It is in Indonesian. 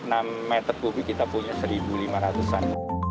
kita punya metode kubik kita punya satu lima ratus an